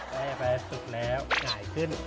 แต่ว่าสุดแล้วมันใหญ่ขึ้น